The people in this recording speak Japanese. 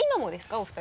お二人。